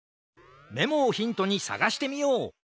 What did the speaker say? メモをヒントにさがしてみよう！